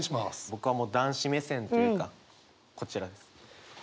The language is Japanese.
僕はもう男子目線というかこちらです。